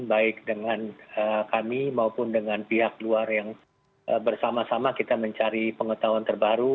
baik dengan kami maupun dengan pihak luar yang bersama sama kita mencari pengetahuan terbaru